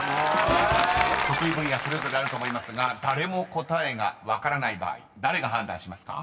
［得意分野それぞれあると思いますが誰も答えが分からない場合誰が判断しますか？］